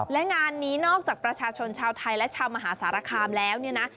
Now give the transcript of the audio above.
และงานนี้นอกจากประชาชนชาวไทยและชาวมหาสารคามแล้วเนี่ยนะ